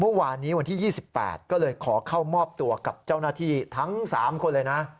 เมื่อวานนี้วันที่๒๘ก็เลยขอเข้ามอบตัวกับเจ้าหน้าที่ทั้ง๓คนเลยนะ